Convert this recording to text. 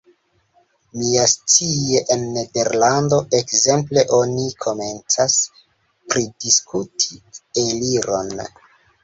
Miascie en Nederlando, ekzemple, oni komencas pridiskuti eliron.